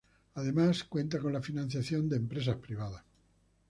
Además, cuenta con la financiación de empresas privadas.